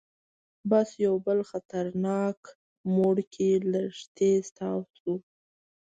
بس یو بل خطرناک موړ کې لږ تیز تاو شو.